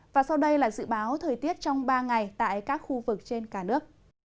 và sau đây là dự báo thời tiết trong ba ngày tại các khu vực trên cả nước